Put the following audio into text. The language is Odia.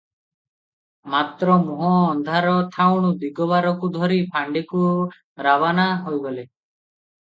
ମାତ୍ର ମୁହଁ ଅନ୍ଧାର ଥାଉଣୁ ଦିଗବାରକୁ ଧରି ଫାଣ୍ଡିକୁ ରବାନା ହୋଇଗଲେ ।